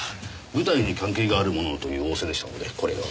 舞台に関係があるものをという仰せでしたのでこれを。